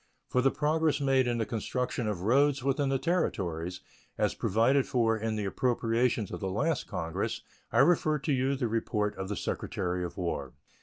For the progress made in the construction of roads within the Territories, as provided for in the appropriations of the last Congress, I refer you to the report of the Secretary of War.